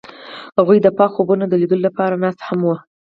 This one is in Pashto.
هغوی د پاک خوبونو د لیدلو لپاره ناست هم وو.